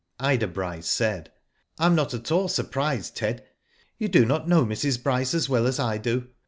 Ida Bryce said, "I am not at all surprised, Ted. You do not know Mrs. Bryce as well as I do.